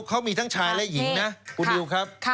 เขามีทั้งชายและหญิงนะคุณนิวครับ